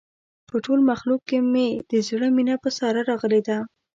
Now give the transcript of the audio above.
په ټول مخلوق کې مې د زړه مینه په ساره راغلې ده.